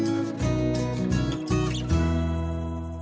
jangan lupa like share dan subscribe ya